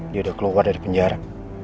dia udah keluar dari penjara